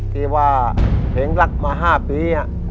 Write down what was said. ที่ว่าเพลงรักมา๕ปี